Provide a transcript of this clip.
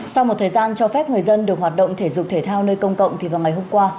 sau một thời gian cho phép người dân được hoạt động thể dục thể thao nơi công cộng thì vào ngày hôm qua